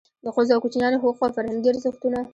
د ښځو او کوچنیانو حقوق او فرهنګي ارزښتونه.